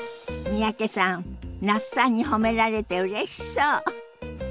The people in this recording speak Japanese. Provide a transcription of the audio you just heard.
三宅さん那須さんに褒められてうれしそう。